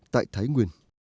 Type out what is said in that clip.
tại thái nguyên